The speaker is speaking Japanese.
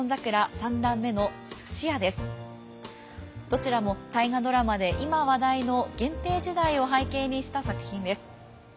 どちらも「大河ドラマ」で今話題の源平時代を背景にした作品です。